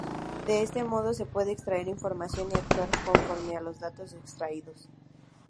De este modo se puede extraer información y actuar conforme a los datos extraídos.